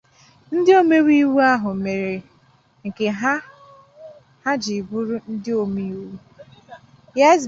ndị omeiwu ahụ mèzịrị nke ha ha jiri bụrụ ndị omeiwu